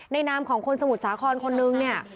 นามของคนสมุทรสาครคนนึงเนี่ย